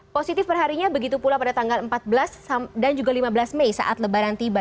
positif perharinya begitu pula pada tanggal empat belas dan juga lima belas mei saat lebaran tiba